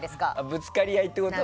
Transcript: ぶつかり合いってこと？